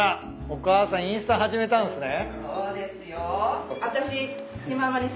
お母さんインスタ始めたんすね。